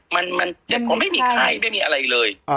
มันเจ็บก็ไม่มีไข้ไม่มีอะไรเลย